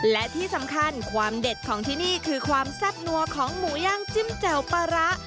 และที่สำคัญความเด็ดของที่นี่คือความแซ่บนัวของหมูย่างจิ้มแจ่วปลาร้า